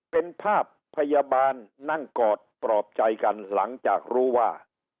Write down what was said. เป็นภาพพยาบาลนั่งกอดปลอบใจกันหลังจากรู้ว่า